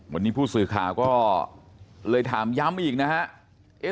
วันนี้ผู้สื่อข่าวก็เลยถามย้ำอีกนะฮะ